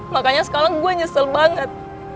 makanya sekarang gue nyesel banget